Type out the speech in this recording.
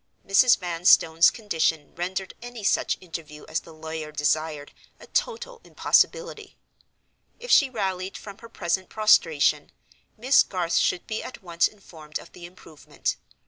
Mrs. Vanstone's condition rendered any such interview as the lawyer desired a total impossibility. If she rallied from her present prostration, Miss Garth should be at once informed of the improvement.